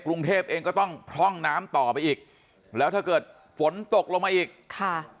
กรุงเทพเองก็ต้องพร่องน้ำต่อไปอีกแล้วถ้าเกิดฝนตกลงมาอีกค่ะ